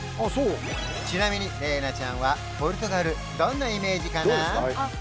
ちなみに玲奈ちゃんはポルトガルどんなイメージかな？